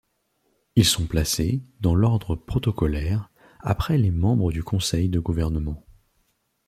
Ils sont placés, dans l'ordre protocolaire, après les membres du conseil de gouvernement.